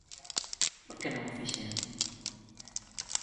Por que non o fixeron?